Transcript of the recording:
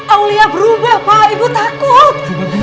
aulia berubah pak ibu takut